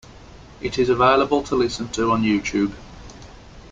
It is available to listen to on YouTube.